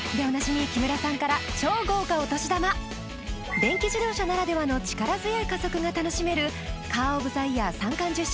電気自動車ならではの力強い加速が楽しめるカー・オブ・ザ・イヤー三冠受賞